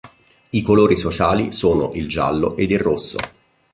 I colori sociali sono: il giallo ed il rosso.